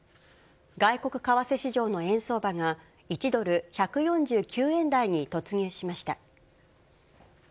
外国為替市場の円相場が、１ドル１４９円台に突入しました。